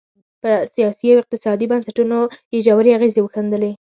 پر سیاسي او اقتصادي بنسټونو یې ژورې اغېزې وښندلې.